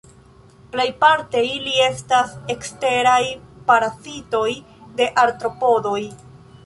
Plejparte ili estas eksteraj parazitoj de artropodoj.